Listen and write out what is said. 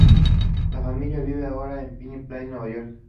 La familia vive ahora en Pine Plains, Nueva York.